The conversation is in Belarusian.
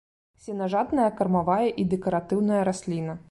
Сенажатная, кармавая і дэкаратыўная расліна.